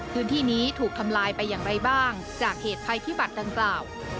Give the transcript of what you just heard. พื้นที่นี้ถูกทำลายไปอย่างไรบ้างจากเหตุภัยพิบัติดังกล่าว